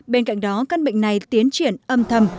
bên cạnh đó căn bệnh này tiến triển âm thầm